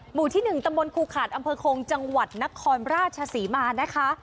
หมู่ที่๑ตำบลครูขาดอำเภอโคงจังหวัดนครราชศรีมานะคะ